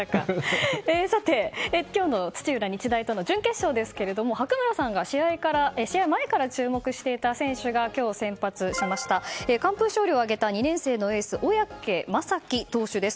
さて、今日の土浦日大との準決勝ですが白村さんが試合前から注目していた選手が今日の先発しました完封勝利を挙げた２年生エース小宅雅己投手です。